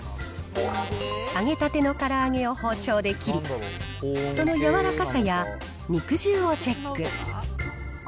揚げたてのから揚げを包丁で切り、その柔らかさや肉汁をチェック。